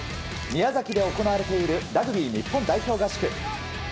宮崎で行われているラグビー日本代表合宿。